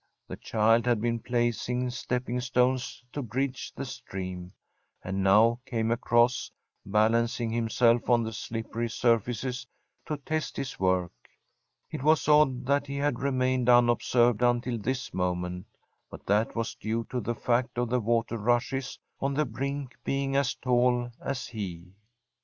The child had been placing stepping stones to bridge the stream, and now came across, balancing himself on the slippery surfaces to test his work. It was odd that he had remained unobserved until this moment, but that was due to the fact of the water rushes on the brink being as tall as he.